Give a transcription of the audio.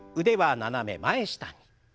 腕はななめ前下に。